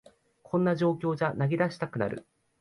こんな状況じゃ投げ出したくなる